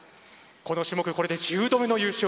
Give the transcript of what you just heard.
この種目、１０度目の優勝。